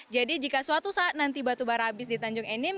jadi jika suatu saat nanti batubara habis di tanjung enim